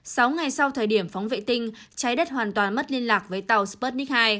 sáu ngày sau thời điểm phóng vệ tinh trái đất hoàn toàn mất liên lạc với tàu sputnik hai